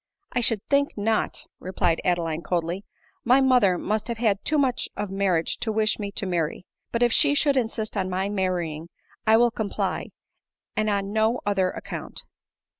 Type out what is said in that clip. " I should think," replied Adeline coldly, " my mother must have had too much of marriage tp wish me to mar ry ; but if she should insist on my marrying, I will com ply, and on no other account."